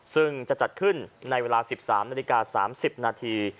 ซึ่งจะจัดขึ้นในเวลาสิบสามนาฬิกาสามสิบนาที